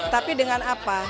tapi dengan apa